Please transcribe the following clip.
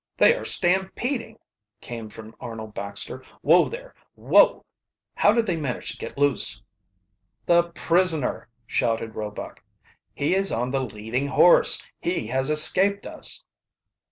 "They are stampeding!" came from Arnold Baxter. "Whoa there! whoa! How did they manage to get loose?" "The prisoner!" shouted Roebuck. "He is on the leading horse! He has escaped us!"